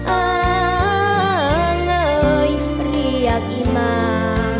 เอ่อเงยเรียกอิมา